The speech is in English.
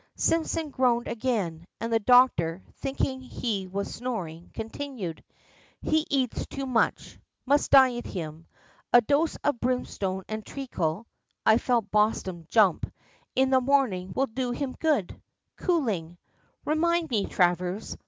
Simpson groaned again, and the doctor, thinking he was snoring, continued, "He eats too much; must diet him. A dose of brimstone and treacle (I felt Boston jump) in the morning will do him good cooling. Remind me, Travers.